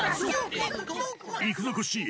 いくぞコッシー！